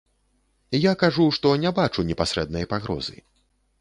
Я кажу, што не бачу непасрэднай пагрозы.